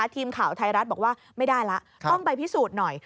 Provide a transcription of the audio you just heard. ทีมข่าวไทยรัฐบอกว่าไม่ได้ละต้องไปพิสูจน์หน่อย